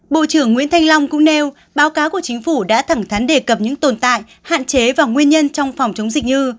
bộ trưởng nguyễn thanh long cũng nêu báo cáo của chính phủ đã thẳng thắn đề cập những tồn tại hạn chế và nguyên nhân trong phòng chống dịch như